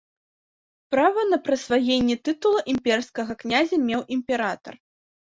Права на прысваенне тытула імперскага князя меў імператар.